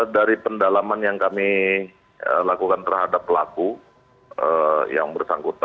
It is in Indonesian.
dari pendalaman yang kami lakukan terhadap pelaku yang bersangkutan